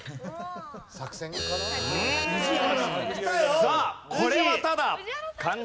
さあこれはただ漢字